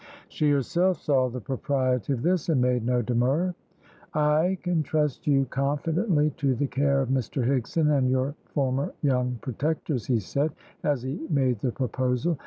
She herself saw the propriety of this, and made no demur. "I can trust you confidently to the care of Mr Higson and your former young protectors," he said, as he made the proposal.